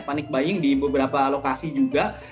panic buying di beberapa lokasi juga